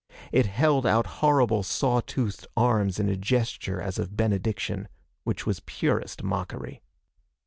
It held out horrible sawtoothed arms in a gesture as of benediction which was purest mockery.